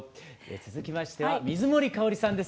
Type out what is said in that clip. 続きましては水森かおりさんです。